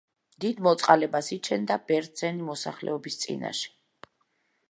დიდ მოწყალებას იჩენდა ბერძენი მოსახლეობის წინაშე.